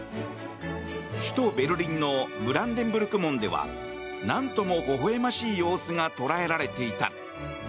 首都ベルリンのブランデンブルク門では何ともほほ笑ましい様子が捉えられていた。